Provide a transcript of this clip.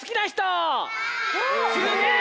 すげえ！